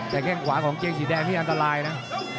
แต่แข้งขวาของเกงสีแดงนี่อันตรายนะ